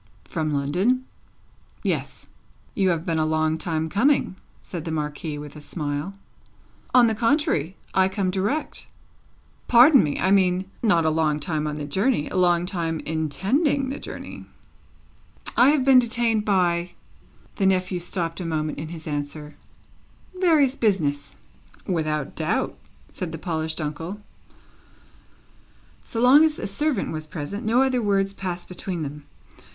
"From London?" "Yes." "You have been a long time coming," said the Marquis, with a smile. "On the contrary; I come direct." "Pardon me! I mean, not a long time on the journey; a long time intending the journey." "I have been detained by" the nephew stopped a moment in his answer "various business." "Without doubt," said the polished uncle. So long as a servant was present, no other words passed between them.